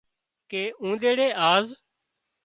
ڪي اونۮريڙي آز